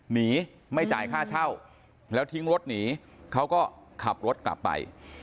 หนีไม่จ่ายค่าเช่าแล้วทิ้งรถหนีเขาก็ขับรถกลับไป